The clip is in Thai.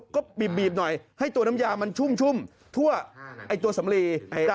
ก็บีบหน่อยให้ตัวน้ำยามันชุ่มทั่วตัวสำลี